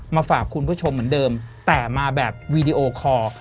มาฝากคุณผู้ชมเหมือนเดิมแต่มาแบบวีดีโอคอร์